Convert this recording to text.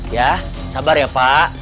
ya sabar ya pak